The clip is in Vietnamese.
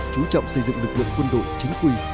chú trọng xây dựng lực lượng quân đội chính quy